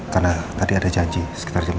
karena tadi ada janji sekitar jam dua